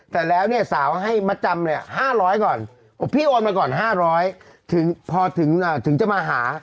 แต่แล้วสาวให้มะจำ๕๐๐ก่อนพี่โอนมาก่อน๕๐๐ถึงจะมาหา